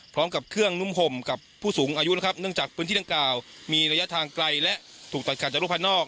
พร้อมกับเครื่องนุ่มห่มกับผู้สูงอายุนะครับเนื่องจากพื้นที่ดังกล่าวมีระยะทางไกลและถูกตัดขาดจากโลกภายนอก